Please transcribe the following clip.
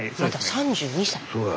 ３２歳！